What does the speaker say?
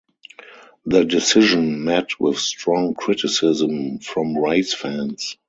The decision met with strong criticism from race fans.